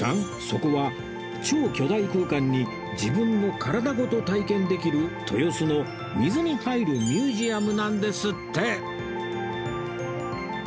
そこは超巨大空間に自分の体ごと体験できる豊洲の水に入るミュージアムなんですって